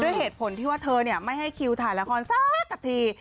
เหตุผลที่ว่าเธอไม่ให้คิวถ่ายละครสักที